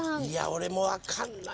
俺も分かんないな。